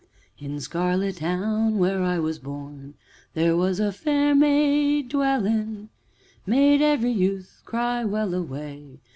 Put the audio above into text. "'In Scarlet town, where I was born, There was a fair maid dwellin', Made every youth cry Well a way!